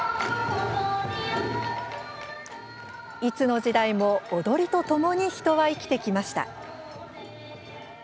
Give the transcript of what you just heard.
いつの時代も、踊りとともに人は生きてきました。